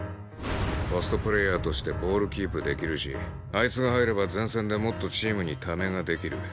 ポストプレーヤーとしてボールキープできるしあいつが入れば前線でもっとチームにためができる。